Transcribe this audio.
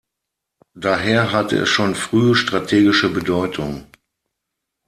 Daher hatte es schon früh strategische Bedeutung.